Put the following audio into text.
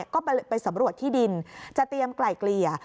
ก็ไปสำรวจที่ดินจะเตรียมไกล่เกลี่ย